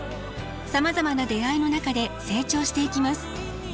さまざまな出会いの中で成長していきます。